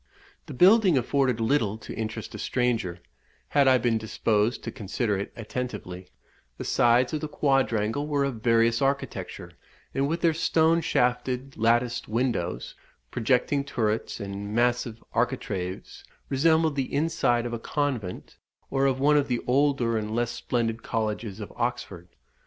The building afforded little to interest a stranger, had I been disposed to consider it attentively; the sides of the quadrangle were of various architecture, and with their stone shafted latticed windows, projecting turrets, and massive architraves, resembled the inside of a convent, or of one of the older and less splendid colleges of Oxford.